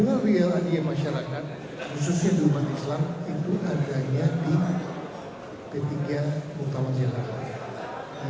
sebenarnya masyarakat khususnya di umat islam itu adanya di p tiga utama jalanan